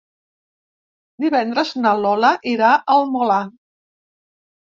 Divendres na Lola irà al Molar.